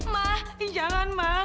ma jangan ma